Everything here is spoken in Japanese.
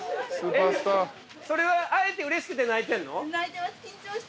それは会えてうれしくて泣いてるの？